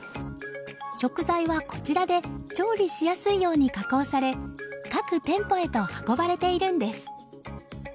食材はこちらで調理しやすいように加工され各店舗へと運ばれているんです。